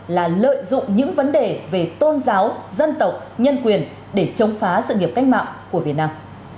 là lợi dụng những vấn đề về tôn giáo dân tộc nhân quyền để chống phá sự nghiệp cách mạng của việt nam